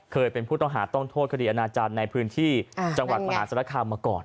เคยเป็นผู้ต้องหาต้องโทษคดีอาณาจารย์ในพื้นที่จังหวัดมหาศาลคามมาก่อน